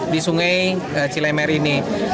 di sungai cilemeri ini